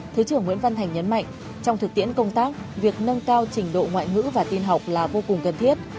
thứ trưởng nguyễn văn thành nhấn mạnh trong thực tiễn công tác việc nâng cao trình độ ngoại ngữ và tin học là vô cùng cần thiết